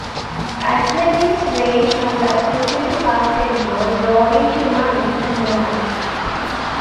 Athletics range from badminton to basketball, rowing to running, and more.